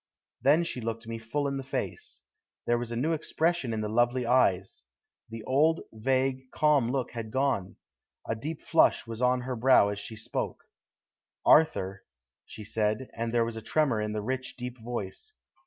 Then she looked me full in the face. There was a new expression in the lovely eyes; the old vague, calm look had gone. A deep flush was on her brow as she spoke: "'Arthur,' she said, and there was a tremor in the rich, deep voice.